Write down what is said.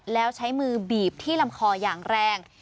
แล้วใช้มือบีบที่ลำคออย่างแรง